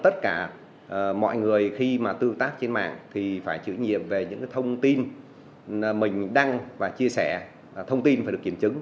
thông tin mình đăng và chia sẻ thông tin phải được kiểm chứng